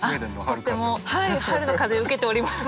とってもはい春の風を受けております。